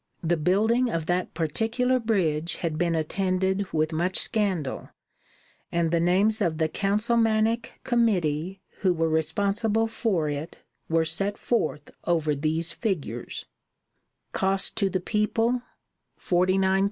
The building of that particular bridge had been attended with much scandal, and the names of the councilmanic committee who were responsible for it were set forth over these figures: Cost to the People, $49,000.